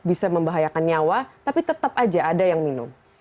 bisa membahayakan nyawa tapi tetap aja ada yang minum